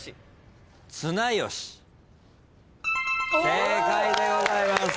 正解でございます。